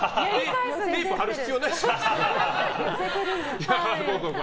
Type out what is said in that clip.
テープ貼る必要ないでしょ。